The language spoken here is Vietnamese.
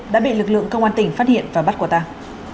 đã bị lực lượng công an tỉnh phát hiện và bắt quả tàng